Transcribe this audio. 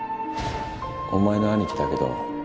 お前の兄貴だけど。